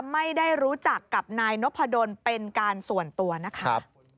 ไม่ได้รู้จักกับนายนพดลเป็นการส่วนตัวนะคะ